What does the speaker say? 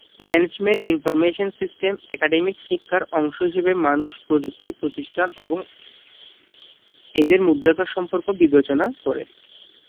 Management information system academic শিক্ষার অংশ হিসেবে মানুষ, প্রযুক্তি, প্রতিষ্ঠান এবং এদের মধ্যকার সম্পর্ক বিবেচনা করে।